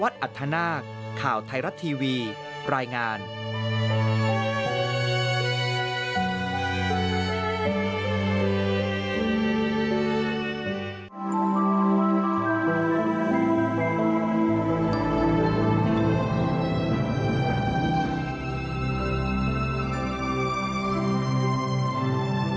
สิ่งที่พระองค์ทำให้กับเราตลอดไป